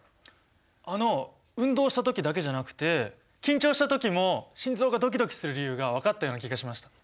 あの運動したときだけじゃなくて緊張したときも心臓がドキドキする理由が分かったような気がしました。